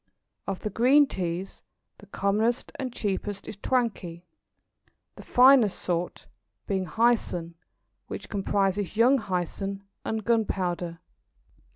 Of the green Teas, the commonest and cheapest is Twankay, the finest sort being Hyson, which comprises Young Hyson and Gunpowder.